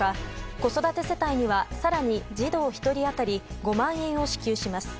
子育て世帯には更に児童１人当たり５万円を支給します。